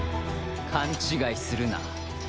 勘違いするな。